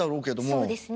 そうですね。